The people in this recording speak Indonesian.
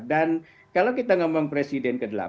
dan kalau kita ngomong presiden ke delapan